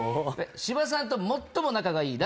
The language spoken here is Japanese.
芝さんと最も仲がいい